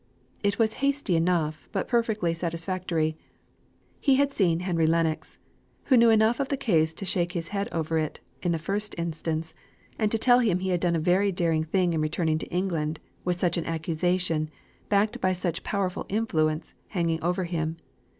It was hasty enough, but perfectly satisfactory. He had seen Henry Lennox, who knew enough of the case to shake his head over it, in the first instance, and tell him he had done a very daring thing in returning to England, with such an accusation, backed by such powerful influence, hanging over him.